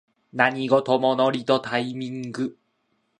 何事もノリとタイミング